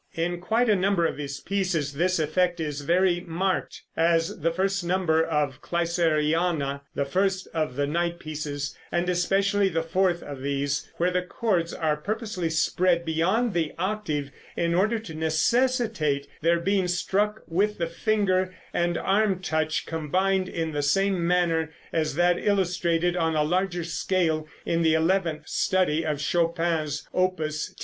In quite a number of his pieces this effect is very marked, as the first number of "Kreisleriana," the first of the "Night Pieces," and especially the fourth of these, where the chords are purposely spread beyond the octave, in order to necessitate their being struck with the finger and arm touch combined, in the same manner as that illustrated on a larger scale in the eleventh study of Chopin's, Opus 10.